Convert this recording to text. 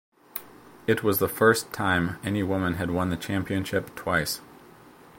It was the first time any woman had won the championship twice.